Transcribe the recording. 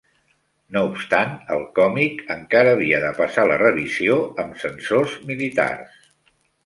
No obstant, el còmic encara havia de passar la revisió amb censors militars.